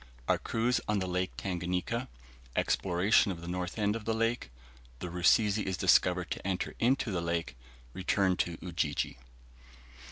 OUR CRUISE ON THE LAKE TANGANIKA EXPLORATION OF THE NORTH END OF THE LAKE THE RUSIZI IS DISCOVERED TO ENTER INTO THE LAKE RETURN TO UJIJI.